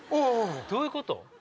どういうこと？